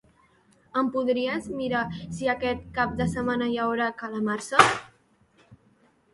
Em podries mirar si aquest cap de setmana hi haurà calamarsa?